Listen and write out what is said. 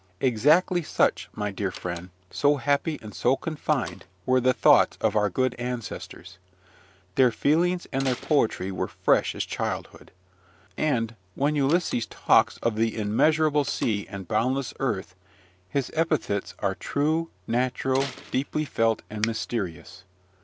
Exactly such, my dear friend, so happy and so confined, were the thoughts of our good ancestors. Their feelings and their poetry were fresh as childhood. And, when Ulysses talks of the immeasurable sea and boundless earth, his epithets are true, natural, deeply felt, and mysterious.